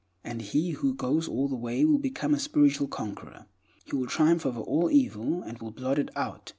And he who goes all the way will become a spiritual conqueror; he will triumph over all evil, and will blot it out.